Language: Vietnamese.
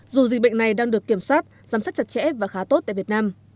dù dịch bệnh này đang được kiểm soát giám sát chặt chẽ và khá tốt tại việt nam